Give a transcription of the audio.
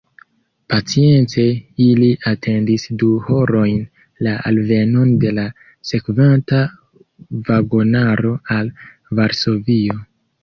Pacience ili atendis du horojn la alvenon de la sekvanta vagonaro al Varsovio.